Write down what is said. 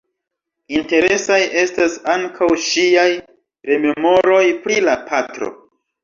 Interesaj estas ankaŭ ŝiaj rememoroj pri la patro.